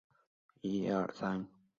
返税在四年内有效。